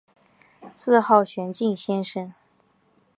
自号玄静先生。